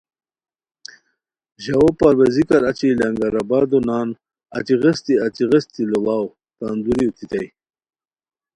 ژاؤو پرویزیکار اچی لنگر آبادو نان اچی غیستی اچی غیستی لوڑاؤ تان دُووری اوتیتائے